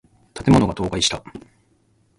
建物が倒壊した。